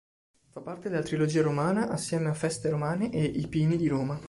Fa parte della "Trilogia romana" assieme a "Feste romane" e "I pini di Roma".